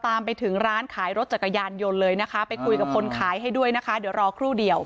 ตามไปถึงร้านขายรถจักรยานยนต์เลยนะคะไปคุยกับคนขายให้ด้วยนะคะเดี๋ยวรอครู่เดียว